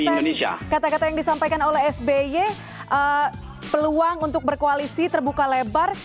tadi kata kata yang disampaikan oleh sby peluang untuk berkoalisi terbuka lebar